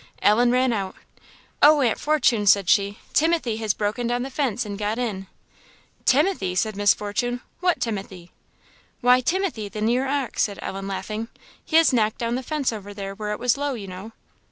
Ellen ran out. "Oh, Aunt Fortune," said she "Timothy has broken down the fence, and got in." "Timothy!" said Miss Fortune "what Timothy?" "Why, Timothy, the near ox," said Ellen, laughing; "he has knocked down the fence over there where it was low, you know."